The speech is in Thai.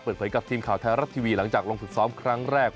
เปิดเผยกับทีมข่าวไทยรัฐทีวีหลังจากลงฝึกซ้อมครั้งแรก